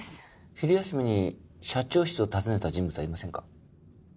昼休みに社長室を訪ねた人物はいませんか？